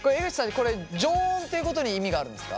これ常温っていうことに意味があるんですか？